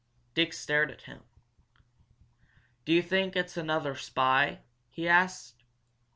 Dick stared at him. "Do you think it's another spy?" he asked.